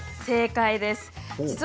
正解です。